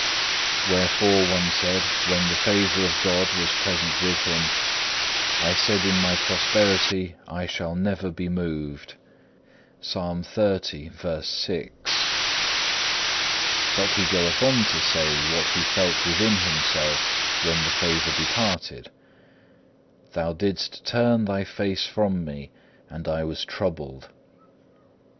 5. Wherefore one said when the favour of God was present with him, I said in my prosperity I shall never be moved,(1) but he goeth on to say what he felt within himself when the favour departed: Thou didst turn Thy face from me, and I was troubled.